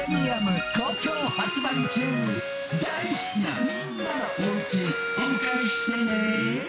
「大好きなみんなのお家にお迎えしてね」